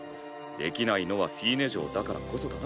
できないのはフィーネ嬢だからこそだな。